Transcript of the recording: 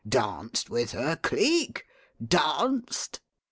"Danced with her, Cleek? Danced?"